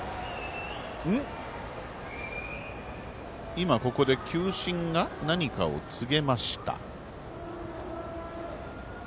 今、ここで球審が何かを告げました。